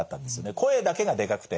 声だけがでかくて。